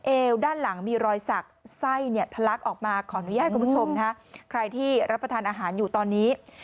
เอวด้านหลังมีรอยสักไส้เนี่ยทะลักออกมาขออนุญาตคุณผู้ชมนะฮะใครที่รับประทานอาหารอยู่ตอนนี้